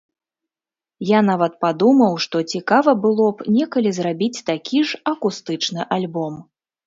Я нават падумаў, што цікава было б некалі зрабіць такі ж акустычны альбом.